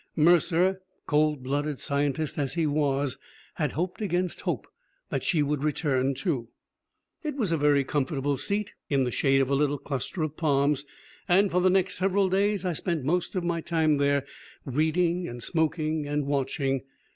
Mercer, cold blooded scientist as he was, had hoped against hope that she would return too. It was a very comfortable seat, in the shade of a little cluster of palms, and for the next several days I spent most of my time there, reading and smoking and watching.